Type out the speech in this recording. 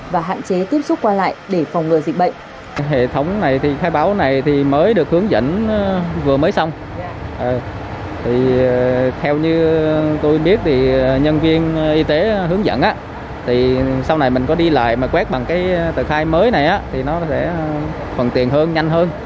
và hạn chế tiếp xúc qua lại để phòng ngừa dịch bệnh